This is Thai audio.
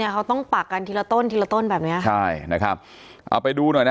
เขาต้องปักกันทีละต้นทีละต้นแบบเนี้ยใช่นะครับเอาไปดูหน่อยนะ